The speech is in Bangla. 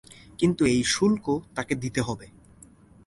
কিন্তু এই শুল্ক তাঁকে দিতে হবে।